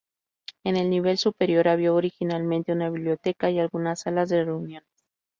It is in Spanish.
En el nivel superior había originalmente una biblioteca y algunas salas de reuniones.